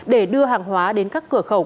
để đưa hàng hóa đến các cửa khẩu